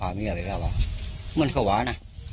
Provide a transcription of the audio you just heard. ไอตัวเขาคือน้ับร่างนะ